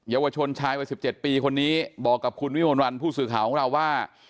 ยาวชนชายวัย๑๗ปีคนนี้บอกกับคุณวิมลวันผู้สื่อข่าวของเราว่า